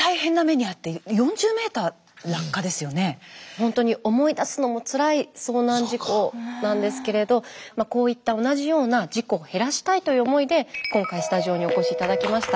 ほんとに思い出すのもつらい遭難事故なんですけれどこういった同じような事故を減らしたいという思いで今回スタジオにお越し頂きました。